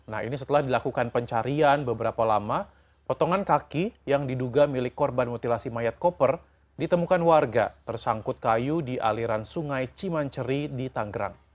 nah ini setelah dilakukan pencarian beberapa lama potongan kaki yang diduga milik korban mutilasi mayat koper ditemukan warga tersangkut kayu di aliran sungai cimanceri di tanggerang